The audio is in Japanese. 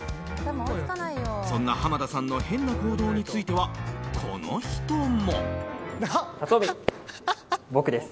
そんな濱田さんの変な行動についてはこの人も。